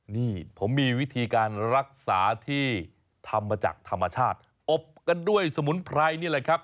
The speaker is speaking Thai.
นี่ผมมีวิธีการรักษาที่ทำมาจากธรรมชาติอบกันด้วยสมุนไพรนี่แหละครับ